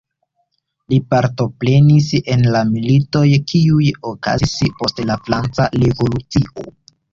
Li partoprenis en la militoj kiuj okazis post la Franca Revolucio.